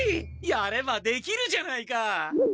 やればできるじゃないか！